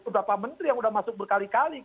beberapa menteri yang sudah masuk berkali kali